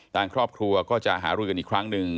ทางครอบครัวก็จะหารือกันอีกครั้งหนึ่ง